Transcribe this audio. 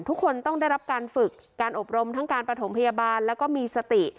ทุกคนต้องได้รับการฝึกการอบรมทั้งการประถมพยาบาลแล้วก็มีสติ